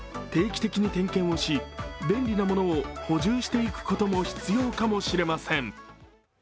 定期的に点検をし便利なものを補充していくことも必要かもしれません。